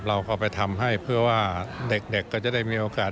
เราก็ไปทำให้เพื่อว่าเด็กก็จะได้มีโอกาส